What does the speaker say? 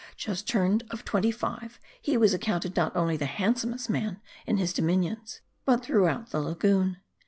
Just turn ed of twenty five, he was accounted not only the handsomest man in his dominions, but throughout the lagoon.